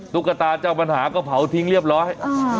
ตุ๊กตาเจ้าปัญหาก็เผาทิ้งเรียบร้อย